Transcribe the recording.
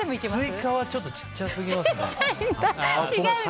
スイカはちょっと小さすぎますね。